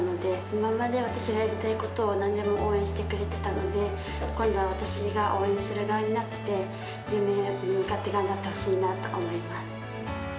今まで私がやりたいことをなんでも応援してくれてたので、今度は私が応援する側になって、夢に向かって頑張ってほしいなと思いま